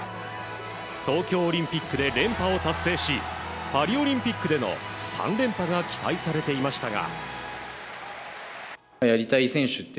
東京オリンピックで連覇を達成しパリオリンピックでの３連覇が期待されていましたが。